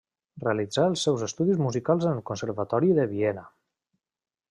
Realitzà els seus estudis musicals en el Conservatori de Viena.